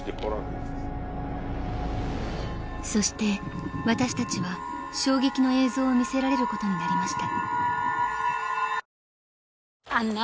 ［そして私たちは衝撃の映像を見せられることになりました］